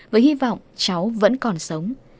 với hy vọng cháu vẫn còn sống